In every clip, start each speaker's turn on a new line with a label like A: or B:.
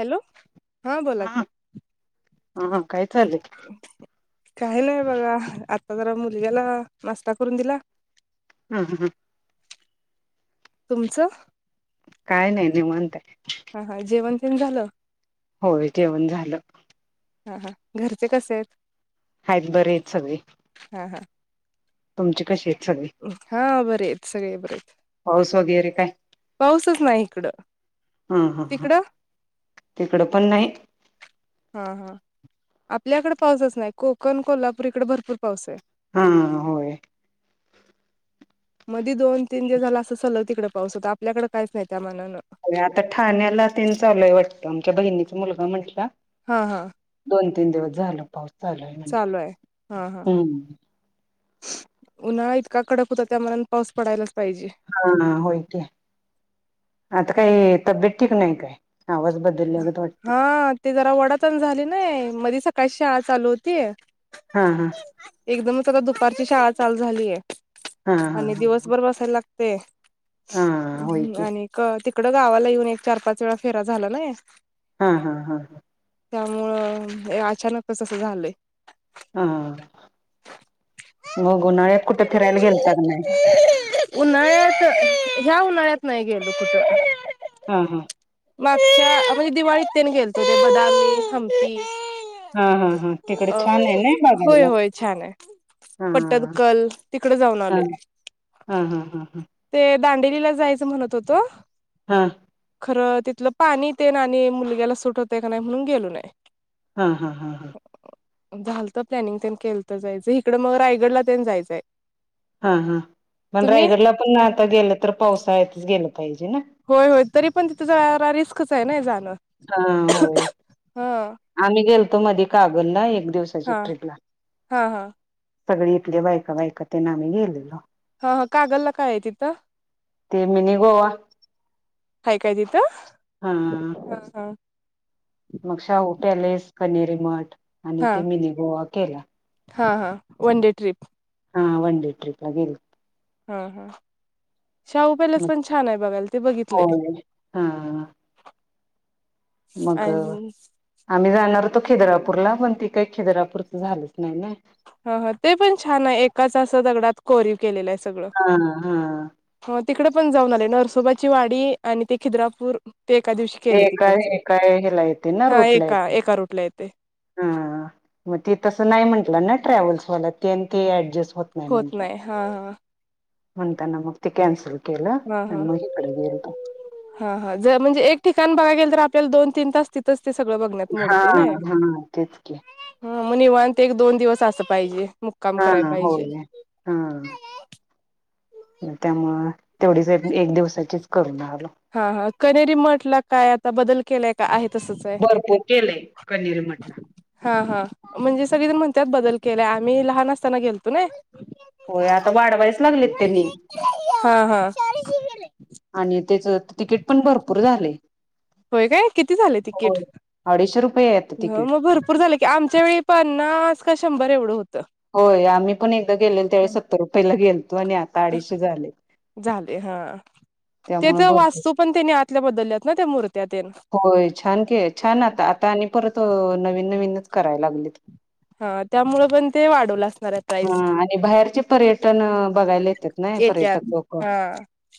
A: Hello हा बोला कि
B: हा काय चाललंय
A: काही नाही बघा आत त मुलग्याला नाश्ता करून दिला
B: हूं हूं!
A: तुमचं?
B: काय नाही निवांत आहे.
A: हा हा जेवण तेन झालं?
B: होय जेवण झालं.
A: हा हा घरचे कसे आहेत?
B: बरे आहेत सगळे.
A: हा हा!
B: तुमचे कशे हे?
A: हा बरे आहेत सगळे बरे आहेत.
B: पाऊस वगैरे
A: पाऊसच नाही हीकडं.
B: हा हा हा तिकडं पण नाही.
A: हा हा आपल्याकडे पाऊसच नाही, कोकण, कोल्हापूर इकडे भरपूर पाऊस आहे.
B: हा होय.
A: मध्ये दोन, तीन दिवस झाला असं सलग तिकडे पाऊस होता, आपल्याकडे काहीच नाही त्या मानान
B: आता ठाण्याला तेन चालूय वाटतंय, आमच्या बहिणीचा मुलगा म्हटला.
A: हा हा!
B: दोन, तीन दिवस झालं पाऊस चालुय म्हटलं
A: चालू आहे हा हा
B: हं.
A: उन्हाळा इतका कडक होता. त्या मनान पाऊस पडायला
B: हा होईल कि आता काय तब्येत ठीक नाही काय? आवाज बदलल्यागत वाटतंय
A: हा ते जरा वडाताण झाली नाही. मधे सकाळी शाळा चालू होती.
B: हा हा
A: एकदमच आता दुपारची शाळा चालु झाली आहे.
B: हा हा
A: आणि दिवसभर बसायला लागतेय,
B: हा हा होय की
A: आणि क ते इकडं गावाला येऊन एक, चार, पाच, वेळा फेरा झाला नाय
B: हा हा हा
A: त्यामुळं ए अचानकच कस, असं झालंय
B: हा! मग उन्हाळ्यात कुठे फिरायला गेलता का नाही?
A: उन्हाळ्यात ह्या उन्हाळ्यात नाही गेलो कुठं.
B: हा हं...
A: मागच्या म्हणजे दिवाळीत तेन गेलतो ते बदामी, हम्पी...
B: हा हा हा तिकडे
A: अ
B: छान आहे ना
A: होय
B: बघायला
A: होय छान आहे.
B: हा
A: पटदकल तिकडे जाऊन आले..
B: हा हा हा हा....
A: ते दांडेलीला जायचं म्हणत होतो...
B: हा....
A: खरं तिथलं पाणी ते ना आणि मुलग्याला सुट होतय का नाही? म्हणून गेलो नाही...
B: हा हा हा हा...
A: झालतं प्लॅनिंग त्यांनी केल तर जायचं इकडं मग रायगडला ते जायचंय....
B: हा हा पण
A: तुम्ही
B: रायगडला पण आता गेलं तर पावसाळच गेलं पाहिजे... ना
A: होय होय तरी पण तिथ जरा रिस्कच आहे ना जाणं?
B: हा होय...
A: हा
B: आम्ही गेलतो मधी कागलला एक दिवसाची
A: हा
B: ट्रिपला...
A: हा हा
B: सगळे इथले बायका बायकातेन आम्ही गेलतो...
A: हा हा कागलला काय आहे? तिथं
B: ते मिनी गोवा
A: काय काय तिथ?
B: हा
A: हं हा
B: मग शाहू पॅलेस कनेरी मठ आणि
A: हा
B: ते मिनी गोवा केलाय
A: हा- हा वन डे ट्रिप
B: हा वन डे ट्रिप गेले
A: हम्म- हम्म शाहू पॅलेस
B: मग
A: पण छान आहे बघायल ते बघितलय
B: होय हा मग आम्ही जाणार होतो खिद्रापूरला पण ती काही खिद्रापूरच झालंत..
A: ह -ह ते पण छान आहे एकाच असं दगडात कोरीव.. केलेलं आहे सगळं...
B: हा हा.
A: तिकडे पण जाऊन आले नरसोबाची वाडी आणि ते खिद्रापूर... ते एका दिवशी
B: हे
A: केले
B: काय
A: तिकडचे
B: हे काय ह्याला येते
A: हा एका एका रूटला येतंय...
B: हा -हा मग ते तसं नाही म्हंटलं ना ट्रॅव्हल्स वाला ते आणि ते ऍडजस्ट
A: होत नाही हा -हा..
B: म्हणताना मग त कॅन्सल.. केलं
A: हा -हा
B: आणि मग इकडे गेलतो.
A: -हा -हा जर म्हणजे एक ठिकाण बघा गेल तर आप.. दोन तीन तास तिथंच ते सगळं बघण्यात
B: हा
A: मोडताय नाय...
B: हा. तेच की.
A: ह मग निवण ते एक दोन दिवस असं पाहिजे.. मुक्काम
B: हा.
A: करायला पाहिजे....
B: होय हा मग त्यामुळ तेवढीच एक दिवसाचीच करून....
A: हा- हा कनेरी मटला काय आता बदल केलाय का आहेत..
B: भरपूर केलंय कनेरी मटला
A: हा -हा म्हणजे सगळेजण म्हणतात बदल केलाय आम्ही लहान असताना गेलतो नाय...
B: होय आता वाढवायच लागलेत त्यांनी...
A: हा हा
B: आणि त्याच तिकीट पण भरपूर झालेय..
A: होय काय किती झाले तिकीट...
B: अडीचशे रुपये आहे आता
A: हो
B: तिकीट
A: मग भरपूर झाले की आमच्या वेळी पन्नास का शंभर एवढं होत...
B: होय आम्ही पण एकदा गेलेल त्यावेळी सत्तर रुपयेला गेल..
A: झाले हा
B: त्यामुळे
A: त्याच
B: भरपूर
A: वास्तू पण त्याने आ... ततल्या बदलल्यात ना ते मुर्त्या..
B: होय छान क छान आता आता आणि परत नवीन नवीनवीच करायला लागले...
A: हा त्यामुळेळ पण ते वाढवल असलं..
B: हा आणि बाहेरचे पर्यटन बघायला येतात ना
A: येत्यात
B: पर्यटक लोक..
A: हा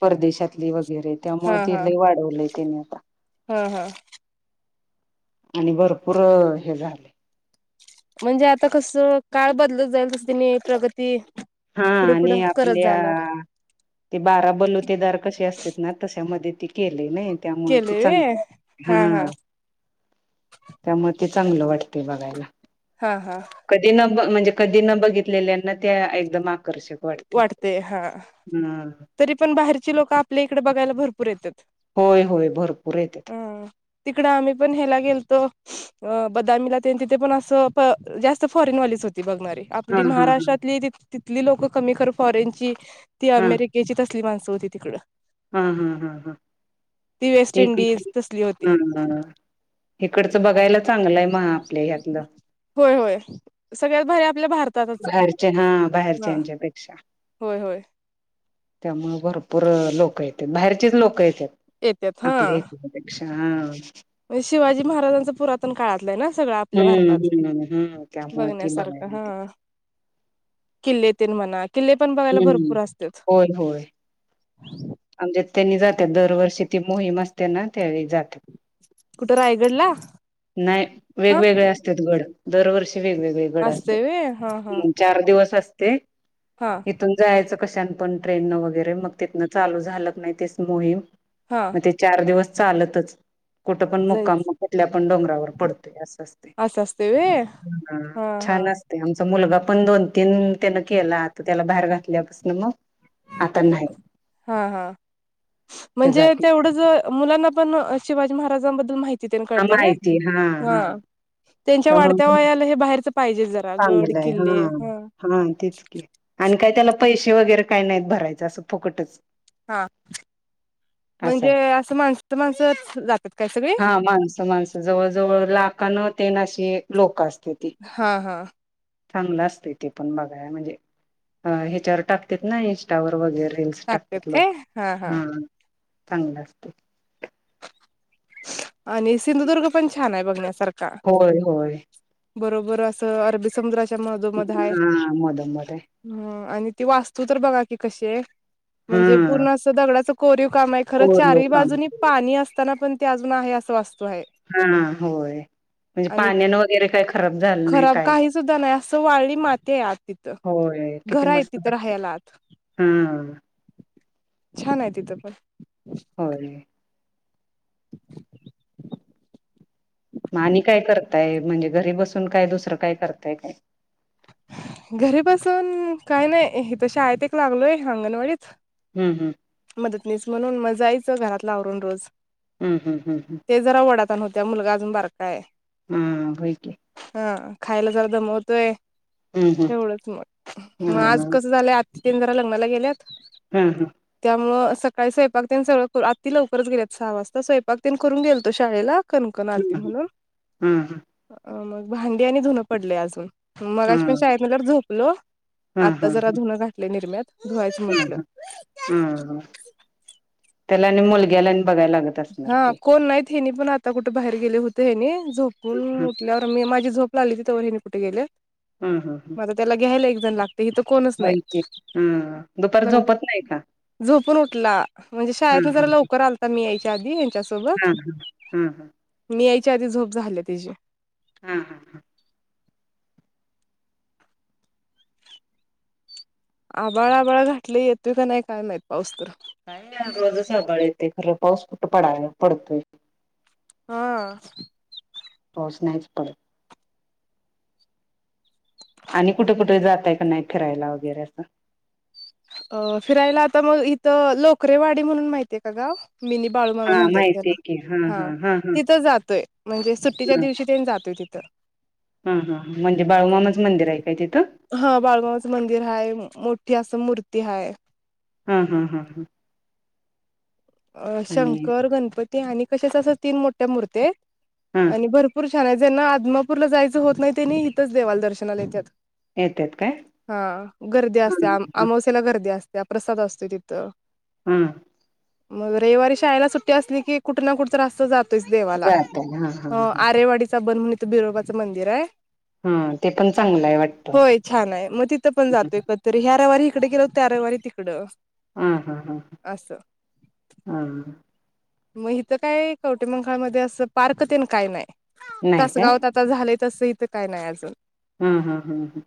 B: परदेशातली वगैरे त्यामुळ ती लाय वाढवलंय त्यांनी आता...
A: ह, ह.
B: [inaudible] आणि भरपूर हे झालय.
A: म्हणजे आता कस काळ बदलत जाईल तसं त्यांनी प्रगती
B: हा
A: पुढे पुढं
B: आणि
A: करत
B: आपल्या
A: जाणार
B: ते बारा बलुतेदार कसे असतात ना तशामध्ये ते केले नाई. त्यामुळे ते
A: केले व्हय
B: चांगलं हा [inaudible] त्यामुळे ते चांगलं वाट ते बघायला.
A: हा, हा
B: कधी न म्हणजे कधी न बघितलेल्यांना त्या एकदम आकर्षक वाटते.
A: वाटतेय. हा
B: हम्म.
A: तरी पण बाहेरची लोक आपल्या इकड बघायला भरपूर येतात.
B: होय, होय भरपूर येत्यात.
A: तिकड आम्ही पण हे्याला गेलतो अ बदामीला तेन तिथे पण असं जास्त फॉरेनवालीच. होती बघणारी.
B: हा
A: आपली
B: हा
A: महाराष्ट्रातली तिथली लोक कमी कर खर फॉरेनची ती
B: हा
A: अमेरिकेची तसली माणसं होती तिकड.
B: हा, हा्, हा, हा.
A: ती वेस्ट
B: ते
A: इंडिज
B: [unintelligible]
A: तसली होती
B: हा ह इकडचं बघायलाच
A: [inaudible] होय, होय सगळ्यात भारी आपल्या भारतात
B: बाहेरचे हा बाहेरच्यांच्या पेक्षा
A: होय होय
B: [inaudible] त्यामुळे भरपूर लोक येत्यात बाहेरचेच लोक येत्यात.
A: येत्यात ह [inaudible] म्हणजे शिवाजी महाराजांच पुरातन काळातलं आहे ना सगळ आपल्या
B: हम्म
A: भारतात
B: हम्म हम्म त्यामुळे ती
A: बघण्यासारखं
B: बघायला
A: ह
B: येते.
A: किल्लेतेन म्हणा किल्ले पण बघायला
B: हम्म
A: भरपूर असत्यात.
B: होय होय
A: [inaudible]
B: आमच्यात त्यांनी जात्यात दरवर्षी ती मोहीम असते ना त्यावेळी. जात्यात.
A: कुठं रायगडला
B: नाही
A: हा
B: वेगवेगळे असत्यात गड दरवर्षी जा वेवेगळे गड असत्यात
A: असते व हा हा
B: म चार दिवस असते.
A: हा
B: इथून जायचं कशा न पण ट्रेनन वगैरे मग तिथनं चालू झाल क नही तेच मोहीम
A: हा
B: मग ते चार दिवस चालतच. कुठं पण मुक्काम
A: जायच
B: म कुठल्या पण डोंगरावर पडतोय असं असते.
A: असं असते व्हय
B: ह
A: हा हा
B: छान असते आमचा मुलगा पण दोन तीन त्यान केला आता त्याला बाहेर घातल्यापासन मग आता नाही.
A: हा हा
B: ते जात
A: म्हणजे
B: नाही
A: तेवढंच होय मुलांना पण शिवाजी महाराजांबद्दल माहिती तेन कळत्या नी हा. त्यांच्या वाढत्या
B: त्यामुळे
A: वयाला हे बाहेरच पाहिजे जरा गड-किल्ले हा.
B: तेच की आणि काही त्याला पैसे वगैरे काही नाहीत भरायचं असं फुकटच.
A: हा [inaudible]
B: असं
A: म्हणजे
B: आहे
A: असं माणसात, माणसंच जातात काय सगळी?
B: हा माणसं माणसं जवळ जवळ लाखान तेन अशी लोक असते ती
A: हा, हा.
B: चांगलं असतंय ते पण बघाया म्हणजे अ ह्याच्यावर टाकतेत ना इंस्टावर वगैरे. त्यावेळेस टाकतात
A: काय
B: लोक
A: हा हा
B: ह चांगल असतय.
A: आणि सिंधुदुर्ग पण छान आहे बघण्यासारखं.
B: होय, होय.
A: बरोबर असं अरबी समुद्राच्या मधोमध हाय
B: हा मधम मध्ये
A: [inaudible] ह. आणि ती वास्तु तर बघा की कशी आहे
B: हा
A: म्हणजे पूर्ण अस दगडाच कोरीव काम आहे खरं
B: कोर
A: चारही
B: लोक
A: बाजूंनी पाणी असताना पण ते अजून आहे असं असत.
B: हा, होय. म्हणजे
A: आणि
B: पाण्यान वगैरे काही खराब झालं नाही
A: खराब
B: काय [inaudible]
A: काही सुद्धा नाही असं वाळली माती आहे आत तिथं
B: होय. बाई किती
A: घर आहे
B: मस्त
A: तिथं
B: वाटत
A: राहायला आत
B: ह.
A: छान आहे तिथं पण
B: हो रे मा आणि काय करताय म्हणजे घरी बसून काय दुसरं काय करताय काय
A: घरी बसून काय नाही तसे आय ते एक लागलोय अंगणवाडीच
B: हम् हम्म
A: मतनीस म्हणून मजायचं घरातला आवरून रोज
B: हम्म हम्म हम्म हम्म
A: ते जरा वडाताण होत्या मुलगा अजून बार का हाय
B: हा होयकी
A: हा खायला जरा दमवतोय
B: हम्म
A: तेवढंच मग मग आज
B: हम्म
A: कसं झालंय आ तीन जरा लग्नाला गेल्यात
B: हम्म हम्म
A: त्या सकाळी स्वयंपाक तेन सगळ आाती लवकरच गेलेत सहा वाजता स्वयंपाक ते करून गेल तो शाळेला कणकण आलती म्हणून
B: हम्म हम्म
A: अ मग भांडी आणि धुनं पडले अजून मगाशी पण शाळेत म तर झोपलो
B: हम्म
A: आत्ता जरा
B: हम्म
A: धुनं घातलय निर्म्यात धुवायचं म्हटलं
B: हम त्याला आणि मुलग्याला बघायला लागत असणार
A: हा
B: की
A: कोण नाहीत हेनी पण आता कुठे बाहेर गेले होते हेनी झोपून
B: हम्म
A: उठल्यावर मी माझी झोप लागली तिथ व हि कुठे गेले मग आता त्याला घ्यायला एकजण लाग
B: बै हा दुपार
A: लग्न
B: झोपत नाही का
A: झोपून उठला म्हणजे
B: हम्म
A: शाळेतन जरा
B: हम्म
A: लवकर आलता मी याय च्यासोबत
B: हम्म हम्म हम्म
A: मी यायच्या आधी झोप झाल्या त्यची
B: हं हं हं
A: आबाळा आबाळा घातलंय येतोय का नाही काय माहित पाऊस तर
B: काय नाहीरोजच आभाळ येतंय खरं पाऊस कुठं पडाला पडतोय
A: हा
B: पाऊस नाहीच पडत. आणि कुठं कुठं जाताय का नाही फिरायला वगैरे असं
A: अ फिरायला आता मग इथं लोकरेवाडी म्हणून माहितीय का गाव मिनी बाळूमामा
B: हा
A: म्हणत्यात त्याला
B: माहितीय की
A: हा
B: हा
A: तिथं जातोय म्हणजे सुट्टीच्या दिवशी तेनं जातोय तिथं
B: हा हा हा म्हणजे बाळूमामाचं मंदिर आहे काय तिथं
A: हा बाळूमामाचं मंदिर हाय मोठी असं मूर्ती हाय
B: हम्म हम्म हम्म हम्
A: अ शंकर, गणपती आणि कशाचं असंसं तीन मोठ्या मुर्त्या आहेत
B: हा
A: आणि भरपूर छान आहे ज्यांना आदमापूरला जायचं होत नाही त्यनी हितच देवाला दर्शनाला येतात.
B: येतात काय?
A: हा गर्दी असत्या आम
B: हा
A: अमावस्येला गर्दी अस त्या प्रसाद असतोयं तिथं
B: हम्म
A: मग रविवारी शाळेला सुट्टी असली की कुठं ना कुठं तर असं जात तोयचं देवाला. हा आरेवाडीचा बन म्हणून इथं बिरोबाच मंदिर आहे
B: हा ते पण चांगलं आहे वाटतं.
A: होय छान आहे, मग तिथं पण जातोय कधीतरी ह्या रविवारी हि कडे गेलो होतो त्या रविवारी तिकडं
B: हम् हम्म हम् हम
A: असं.
B: हम्म
A: मग इथं काय कवठेमहांकाळ मध्ये असं पार्क तेनं काय नाय
B: नाही काय
A: तासगावात आता झालय तसं इथं काय नाय अजून
B: हम्म हम्म हम्म हम्म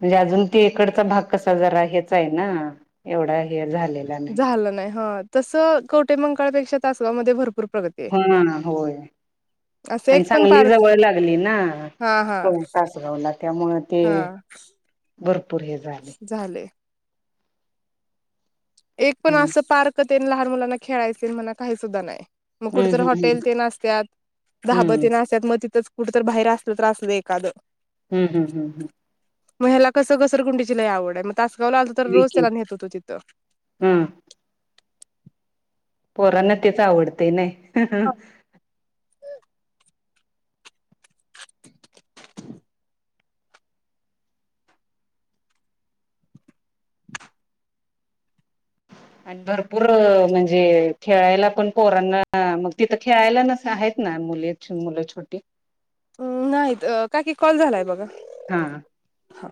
B: म्हणजे अजून तिकडचा भाग कसा जरा हेचं आहे ना एवढा हे झा
A: झालं नाही ह तसं कवठेमंकाळ पेक्षा तासगाव मध्ये भरपूर प्रगती आहे.
B: हा होय
A: असं
B: आणि
A: एक पण
B: सांगली
A: पार्क
B: जवळ लागली ना
A: हा हा
B: हो तासगावला त्यामुळं ते
A: हा
B: भरपूर हे झालंय
A: झाले. एक पण
B: हम्म
A: असं पार्क तेन लहान मुलांना खेळायचं तेन म्हणा काही सुद्धा नाही मग कुठं तर
B: हम्म
A: हॉटेल तेन असत्यात, धाबं
B: हम्म
A: तेन असत्यात मग तिथंच कुठं तर बाहेर आसलं तर आसलं एखादं
B: हम्म हम्म हम्म हम्म
A: म ह्याला कसं घसरगुंडीची लई आवड हाय, मग तासगावला आलतो तर रोज
B: विकेंड
A: त्याला न्हेत व्हतो तिथं
B: हम्म. पोरांना तेच आवडतंय नाई हं हं.
A: [inaudible]
B: [inaudible] आणि भरपूर म्हणजे खेळायला, पण पोरांना मग तिथं खेळायला नसा आहेत ना. मुले छो मुलं छोटी
A: अ नाहीत काकी कॉल झालाय बघा
B: हा
A: हा.